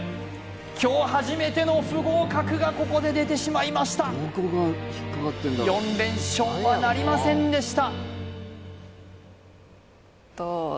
今日初めての不合格がここで出てしまいました４連勝はなりませんでした